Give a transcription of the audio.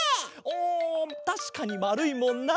おたしかにまるいもんなあ。